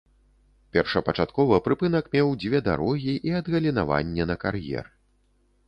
Першапачаткова прыпынак меў дзве дарогі і адгалінаванне на кар'ер.